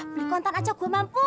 beli kontan aja gue mampu